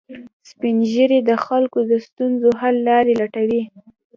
سپین ږیری د خلکو د ستونزو حل لارې لټوي